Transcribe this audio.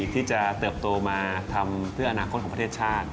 ที่จะเติบโตมาทำเพื่ออนาคตของประเทศชาติ